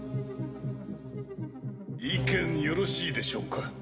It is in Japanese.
意見よろしいでしょうか？